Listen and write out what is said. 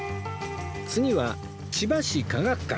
次は千葉市科学館